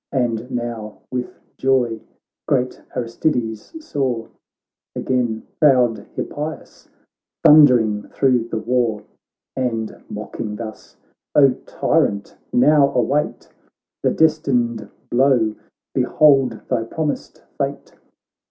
And now with joy great Aristides saw Again proud Hippias thundering thro' the war. And mocking thus, ' O tyrant, now await The destined blow, behold thy promised fate!